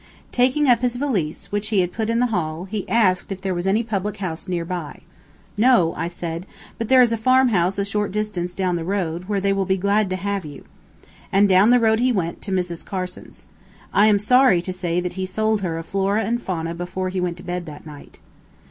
Taking up his valise, which he had put in the hall, he asked if there was any public house near by. "No," I said; "but there is a farm house a short distance down the road, where they will be glad to have you." And down the road he went to Mrs. Carson's. I am sorry to say that he sold her a "Flora and Fauna" before he went to bed that night.